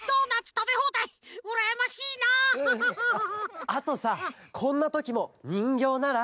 あとさこんなときもにんぎょうなら。